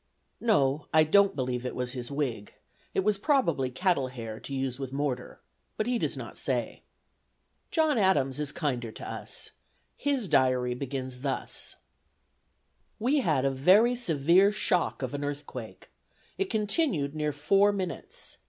(No; I don't believe it was his wig; it was probably cattle hair, to use with mortar; but he does not say.) John Adams is kinder to us. His diary begins thus: "We had a very severe shock of an earthquake. It continued near four minutes.